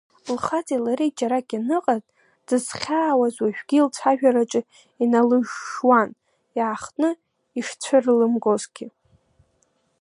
Лхаҵеи лареи џьарак ианыҟаз дзызхьаауаз уажәгьы лцәажәараҿы иналыжжуан, иаахтны ишцәырлымгозгьы.